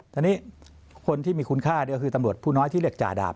ตอนนี้คนที่มีคุณค่าก็คือตำรวจผู้น้อยที่เรียกจ่าดาบ